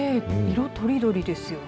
色とりどりですよね。